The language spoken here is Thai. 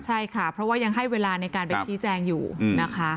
ใช่ค่ะเพราะว่ายังให้เวลาในการไปชี้แจงอยู่นะคะ